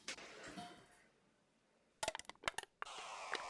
Uvedené dvojí autorství hry je dnes literárními vědci obecně přijímáno jako fakt.